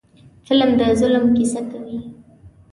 فلم د ظلم کیسه کوي